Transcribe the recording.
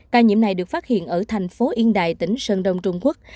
ca nhiễm này được phát hiện ở thành phố yên đại tỉnh sơn đông trung quốc